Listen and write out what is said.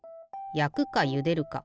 やくかゆでるか？